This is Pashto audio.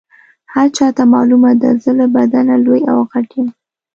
هر چاته معلومه ده زه له بدنه لوی او غټ یم.